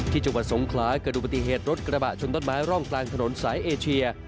จังหวัดสงขลาเกิดอุบัติเหตุรถกระบะชนต้นไม้ร่องกลางถนนสายเอเชีย